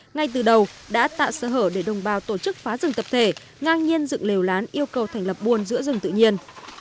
ngay từ đầu đã tạo sơ hở để đồng bào tổ chức phá rừng tập thể ngang nhiên dựng lều lán yêu cầu thành lập buôn giữa rừng tự nhiên